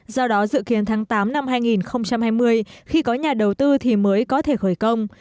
do đó dự kiến tháng tám năm hai nghìn hai mươi khi có nhà đầu tư thì mới có thể khởi công